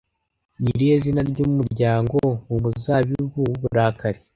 Ni irihe zina ry'umuryango mu muzabibu w'uburakari